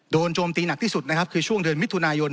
โจมตีหนักที่สุดนะครับคือช่วงเดือนมิถุนายน